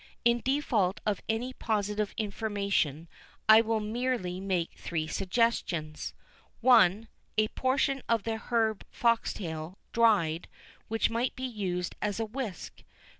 In default of any positive information, I will merely make three suggestions: 1. A portion of the herb foxtail, dried, which might be used as a whisk.